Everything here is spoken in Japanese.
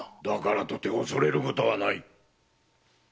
だからとて恐れることはない。